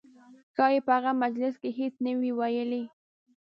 ښایي په هغه مجلس کې هېڅ نه وي ویلي.